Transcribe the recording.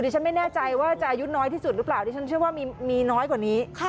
ฉันไม่แน่ใจว่าจะอายุน้อยที่สุดหรือเปล่าดิฉันเชื่อว่ามีน้อยกว่านี้